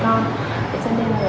cho nên là cách tốt nhất là